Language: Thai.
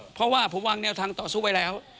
เพราะว่าผมวางแนวทางต่อสู้ไว้แล้ว